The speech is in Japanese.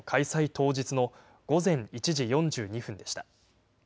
当日の午前１時４２分でした。